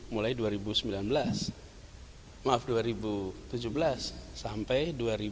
mulai dua ribu sembilan belas maaf dua ribu tujuh belas sampai dua ribu dua puluh